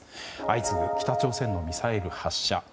相次ぐ北朝鮮のミサイル発射。